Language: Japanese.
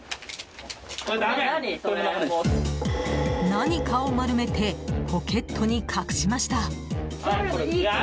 何かを丸めてポケットに隠しました。